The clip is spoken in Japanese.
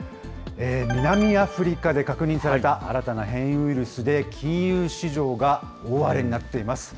南アフリカで確認された新たな変異ウイルスで、金融市場が大荒れになっています。